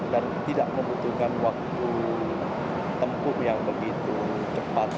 dan tidak membutuhkan waktu tempur yang begitu cepat